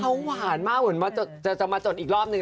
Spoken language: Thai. เขาหวานมากเหมือนว่าจะมาจดอีกรอบนึง